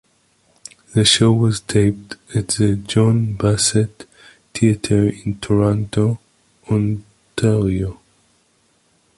The show was taped at the John Bassett Theatre in Toronto, Ontario.